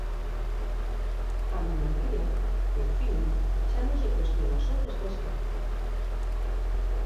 A monarquía, en fin, xa non se cuestiona só desde a esquerda.